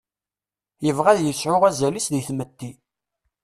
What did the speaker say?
Yebɣa ad yesɛu azal-is deg tmetti.